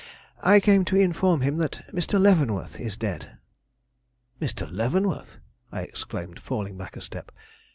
I came to inform him that Mr. Leavenworth is dead." "Mr. Leavenworth!" I exclaimed, falling back a step.